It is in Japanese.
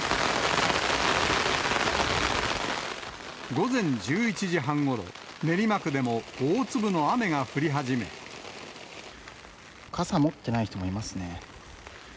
午前１１時半ごろ、傘持ってない人もいますね。